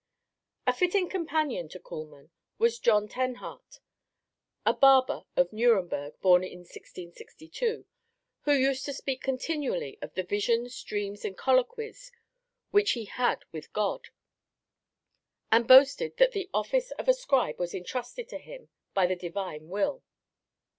A fitting companion to Kuhlmann was John Tennhart, a barber of Nuremberg, born in 1662, who used to speak continually of the visions, dreams, and colloquies which he had with God, and boasted that the office of a scribe was entrusted to him by the Divine Will.